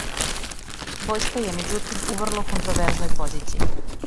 Војска је међутим у врло контроверзној позицији.